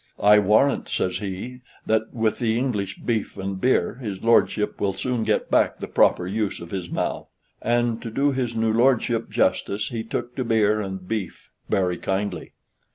"I warrant," says he, "that, with the English beef and beer, his lordship will soon get back the proper use of his mouth;" and, to do his new lordship justice, he took to beer and beef very kindly.